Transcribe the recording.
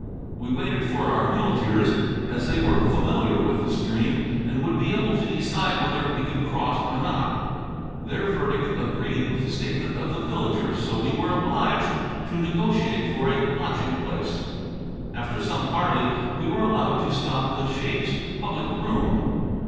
We waited for our muleteers, as they were familiar with the stream and would be able to decide whether we could cross or not. Their verdict agreed with the statement of the villagers and so we were obliged to negotiate for a lodging place. After some parley we were allowed to stop in the sheik's public room.